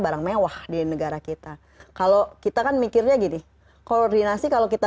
karena sekarang ini kenapa kita masih berada di posisi ini yang disebut koordinasi itu terlalu banyak